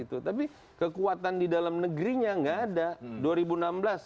tapi kekuatan di dalam negerinya nggak ada